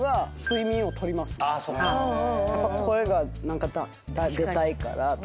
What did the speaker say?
やっぱ声が出たいからとか。